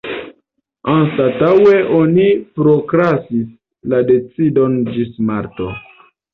Anstataŭe oni prokrastis la decidon ĝis marto.